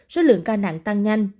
số lượng ca nặng tăng nhanh